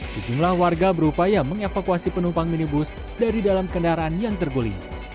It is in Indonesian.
sejumlah warga berupaya mengevakuasi penumpang minibus dari dalam kendaraan yang terguling